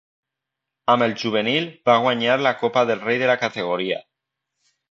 Amb el juvenil, va guanyar la Copa del Rei de la categoria.